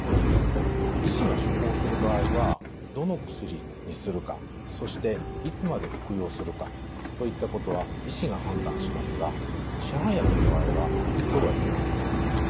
医師が処方する場合はどの薬にするかそしていつまで服用するかといったことは医師が判断しますが市販薬の場合はそうはいきません。